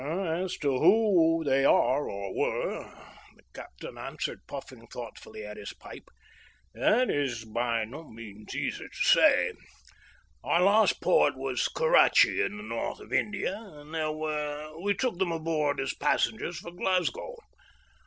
"As to who they are or were," the captain answered, puffing thoughtfully at his pipe, "that is by no means easy to say. Our last port was Kurrachee, in the north of India, and there we took them aboard as passengers for Glasgow.